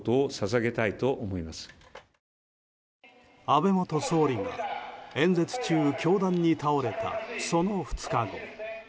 安倍元総理が演説中凶弾に倒れたその２日後。